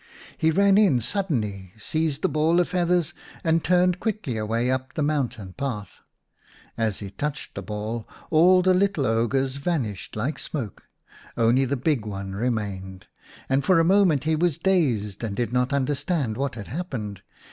He ran in suddenly, seized the ball of feathers, and turned quickly away up the mountain path. As he touched the ball, all the little ogres vanished like smoke. Only the big one remained, and for a moment he was dazed and did not understand what had happened.